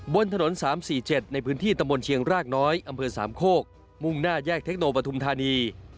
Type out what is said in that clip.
บนถนน๓๔๗ในพื้นที่ตำบลเชียงรากน้อยอำเภอสามโคกมุ่งหน้าแยกเทคโนปฐุมธานี